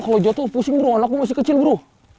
kalau saya jatuh pusing bro anak saya masih kecil bro